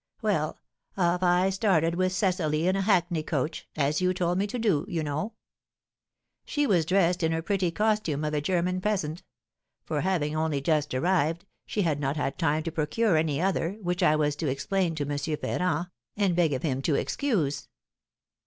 Well, off I started with Cecily in a hackney coach, as you told me to do, you know. She was dressed in her pretty costume of a German peasant; for having only just arrived, she had not had time to procure any other, which I was to explain to M. Ferrand, and beg of him to excuse.